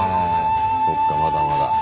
そっかまだまだ。